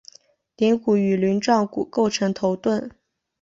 顶骨与鳞状骨构成头盾。